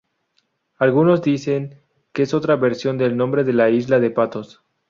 Algunos dicen que es otra versión del nombre la Isla de Patos.